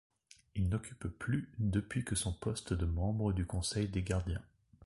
Il n'occupe plus depuis que son poste de membre du Conseil des Gardiens.